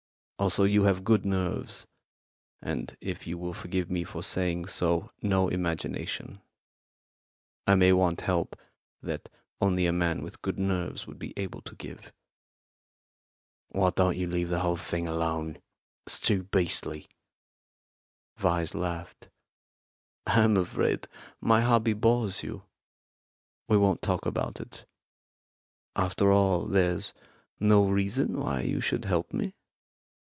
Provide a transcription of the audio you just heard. Also, you have good nerves, and, if you will forgive me for saying so, no imagination. I may want help that only a man with good nerves would be able to give." "Why don't you leave the thing alone? It's too beastly." Vyse laughed. "I'm afraid my hobby bores you. We won't talk about it. After all, there's no reason why you should help me?"